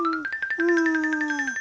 うん！